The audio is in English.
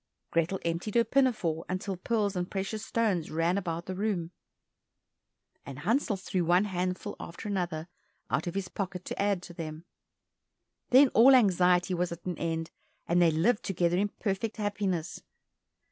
Grethel emptied her pinafore until pearls and precious stones ran about the room, and Hansel threw one handful after another out of his pocket to add to them. Then all anxiety was at an end, and they lived together in perfect happiness.